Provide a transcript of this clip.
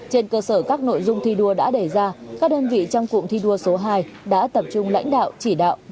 trên cơ sở các nội dung thi đua đã đề ra các đơn vị trong cụm thi đua số hai đã tập trung lãnh đạo chỉ đạo